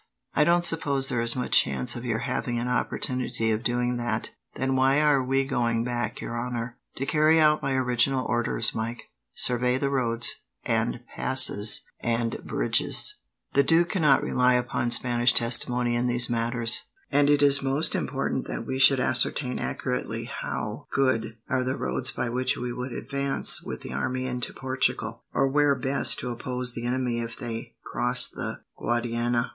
"I don't suppose there is much chance of your having an opportunity of doing that." "Then why are we going back, your honour?" "To carry out my original orders, Mike survey the roads, and passes, and bridges. The duke cannot rely upon Spanish testimony in these matters, and it is most important that we should ascertain, accurately, how good are the roads by which he would advance with the army into Portugal, or where best to oppose the enemy if they cross the Guadiana."